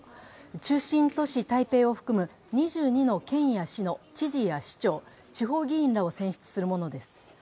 中心都市・台北を含む２２の県や市の知事や市長、地方議員らを選出するものです。